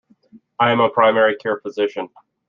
I am a primary care physician.